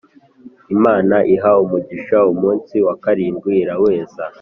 Imana iha umugisha umunsi wa karindwi iraweza